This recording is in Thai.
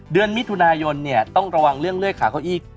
เดือนมิถุนายนเนี่ยต้องระวังเรื่องเลื้ยขาข้าวอีก